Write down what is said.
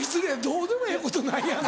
どうでもええことないやない。